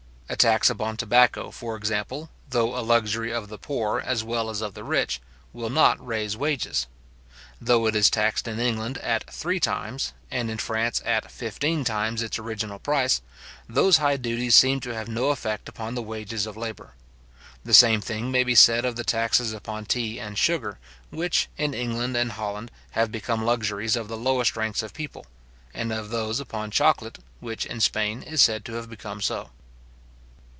A tax upon tobacco, for example, though a luxury of the poor, as well as of the rich, will not raise wages. Though it is taxed in England at three times, and in France at fifteen times its original price, those high duties seem to have no effect upon the wages of labour. The same thing maybe said of the taxes upon tea and sugar, which, in England and Holland, have become luxuries of the lowest ranks of people; and of those upon chocolate, which, in Spain, is said to have become so.